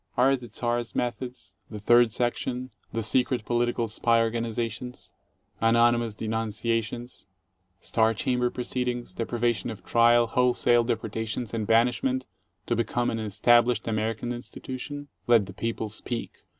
Are the Czar's methods, the Third Section, the secret political spy organizations, anonymous denunciations, star chamber proceed ings, deprivation of trial, wholesale deportations and banishment, to become an established American institution? Let the people speak.